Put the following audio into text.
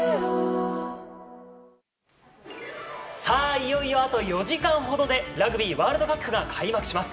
いよいよ、あと４時間ほどでラグビーワールドカップが開幕します。